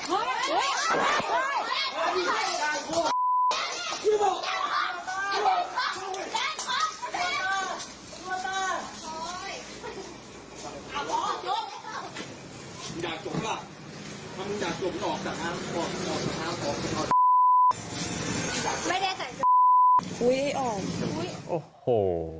อุ้ยอ่อโอ้โห